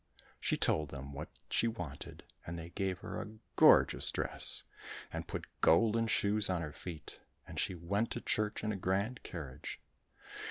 " She told them what she wanted, and they gave her a gorgeous dress, and put golden shoes on her feet, and she went to church in a grand carriage.